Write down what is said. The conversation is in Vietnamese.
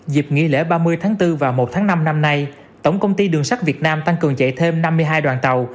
dịp nghỉ lễ ba mươi tháng bốn và một tháng năm năm nay tổng công ty đường sắt việt nam tăng cường chạy thêm năm mươi hai đoàn tàu